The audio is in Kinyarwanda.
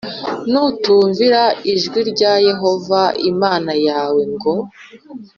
“Nutumvira ijwi rya Yehova Imana yawe ngo